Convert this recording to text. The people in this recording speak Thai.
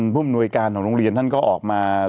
ภูมิหน่วยการของโรงเรียนท่านก็ออกมา